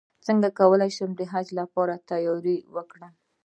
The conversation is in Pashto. څنګه کولی شم د حج لپاره تیاری وکړم